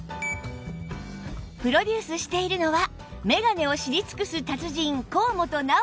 プロデュースしているのはメガネを知り尽くす達人高本尚紀さん